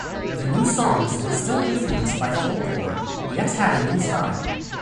The new songs were still influenced by folklore yet had a new style.